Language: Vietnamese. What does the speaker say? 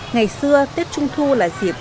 ngày xưa tết trung thu là dịp